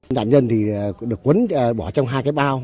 nạn nhân thì được quấn bỏ trong hai cái bao